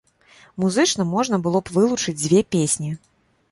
Музычна можна было б вылучыць дзве песні.